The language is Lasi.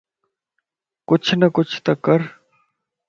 ڪچھه نه ڪچهه ته ڪر